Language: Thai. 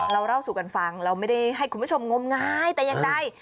เล่าสู่กันฟังเราไม่ได้ให้คุณผู้ชมงมงายแต่อย่างใด